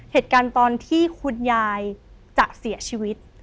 เหตุการณ์ตอนที่คุณยายจะเสียชีวิต